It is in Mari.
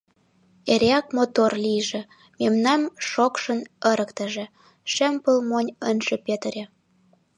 — Эреак мотор лийже, мемнам шокшын ырыктыже, шем пыл монь ынже петыре.